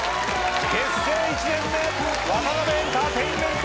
結成１年目ワタナベエンターテインメント。